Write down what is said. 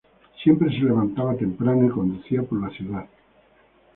Siempre se levantaba temprano y conducía por la ciudad".